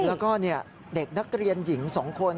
แล้วก็เด็กนักเรียนหญิง๒คน